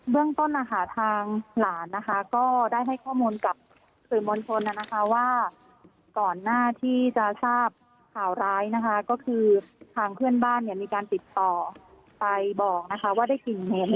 เรื่องต้นนะคะทางหลานนะคะก็ได้ให้ข้อมูลกับสื่อมวลชนนะคะว่าก่อนหน้าที่จะทราบข่าวร้ายนะคะก็คือทางเพื่อนบ้านเนี่ยมีการติดต่อไปบอกนะคะว่าได้กลิ่นเหม็น